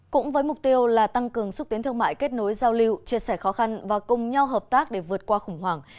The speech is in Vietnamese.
cũng với mục tiêu là tăng cường xúc tiến thương mại kết nối giao lưu chia sẻ khó khăn và cùng nhau hợp tác để vượt qua khủng hoảng